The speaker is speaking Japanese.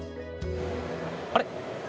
あれ？